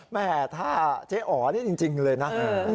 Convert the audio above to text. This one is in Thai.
แม่ถ้าเจ๊อ๋อนี่จริงเลยนะ